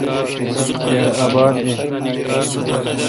کھیر اباد این۔